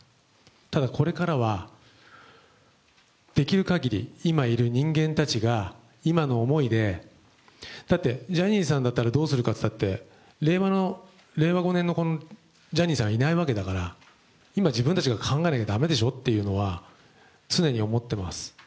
ただ、これからはできるかぎり今いる人間たちが今の思いで、だってジャニーさんだったらどうするかといったって、令和５年にジャニーさんはいないわけだから自分たちで考えなきゃ駄目でしょうと常に思ってます。